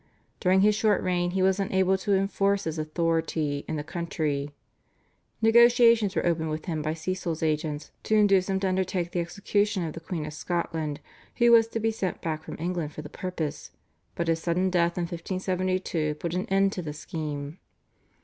During his short reign he was unable to enforce his authority in the country. Negotiations were opened with him by Cecil's agents to induce him to undertake the execution of the Queen of Scotland, who was to be sent back from England for the purpose, but his sudden death in 1572 put an end to the scheme.